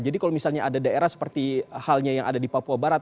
jadi kalau misalnya ada daerah seperti halnya yang ada di papua barat